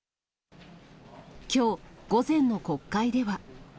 きょう、午前の国会では。